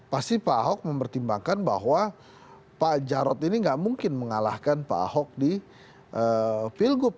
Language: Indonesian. pasti pak ahok mempertimbangkan bahwa pak jarod ini nggak mungkin mengalahkan pak ahok di pilgub